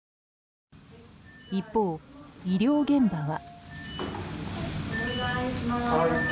一方、医療現場は。